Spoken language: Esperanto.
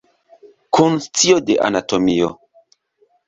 Kun scio de anatomio.